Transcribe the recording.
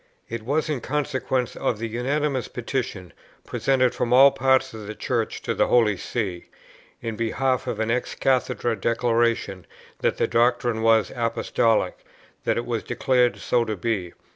It was in consequence of the unanimous petition, presented from all parts of the Church to the Holy See, in behalf of an ex cathedrâ declaration that the doctrine was Apostolic, that it was declared so to be.